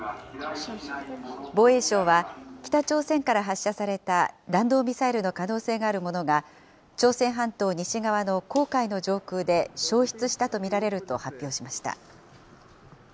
防衛省は、北朝鮮から発射された弾道ミサイルの可能性があるものが、朝鮮半島西側の黄海の上空で消失したと見られると発表しました。